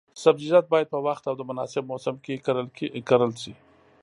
سبزیجات باید په وخت او د مناسب موسم کې کرل شي.